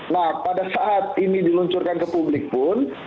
nah pada saat ini diluncurkan ke publik pun